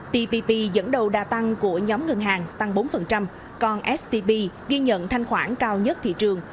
tpp dẫn đầu đa tăng của nhóm ngân hàng tăng bốn còn stb ghi nhận thanh khoản cao nhất thị trường